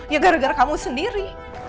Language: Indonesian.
ya gara gara kamu sendiri